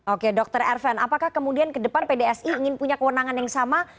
oke dr ervan apakah kemudian ke depan pdsi ingin punya kewenangan yang sama